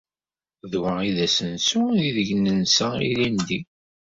D wa ay d asensu aydeg nensa ilindi.